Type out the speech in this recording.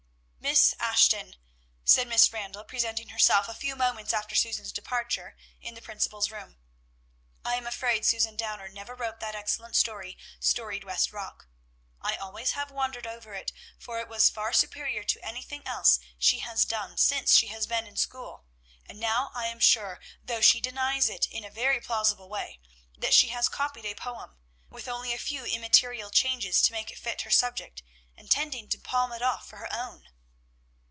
"Miss Ashton!" said Miss Randall, presenting herself, a few moments after Susan's departure, in the principal's room. "I am afraid Susan Downer never wrote that excellent story, 'Storied West Rock.' I always have wondered over it, for it was far superior to anything else she has done since she has been in school, and now, I am sure, though she denies it in a very plausible way, that she has copied a poem, with only a few immaterial changes to make it fit her subject, intending to palm it off for her own."